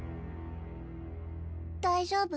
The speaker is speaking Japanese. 大丈夫？